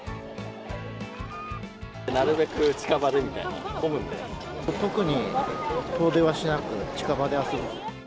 なるべく近場でみたいな、特に、遠出はしなく、近場で遊ぶ。